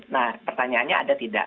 nah pertanyaannya ada tidak